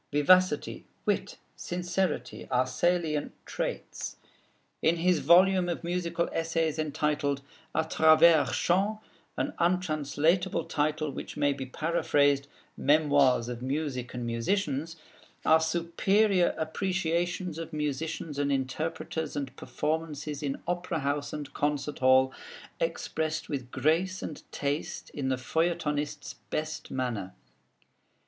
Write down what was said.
Vivacity, wit, sincerity, are salient traits. In his volume of musical essays entitled 'A Travers Chants' (an untranslatable title which may be paraphrased 'Memoirs of Music and Musicians') are superior appreciations of musicians and interpreters and performances in opera house and concert hall, expressed with grace and taste in the feuilletonist's best manner.